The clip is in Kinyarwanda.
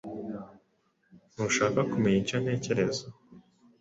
Ntushaka kumenya icyo ntekereza?